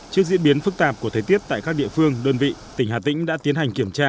trước diễn biến phức tạp của thế tiết tại các địa phương đơn vị tỉnh hà tĩnh đã tiến hành kiểm tra